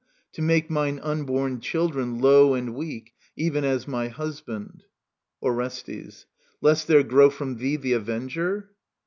To make mine unborn children low And weak, even as my husband. Orestes. Lest there grow From thee the avenger